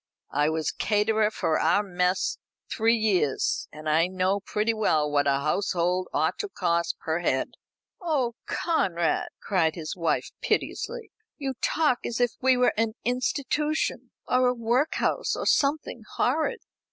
I was caterer for our mess three years, and I know pretty well what a household ought to cost per head." "Oh, Conrad!" cried his wife piteously, "you talk as if we were an institution, or a workhouse, or something horrid."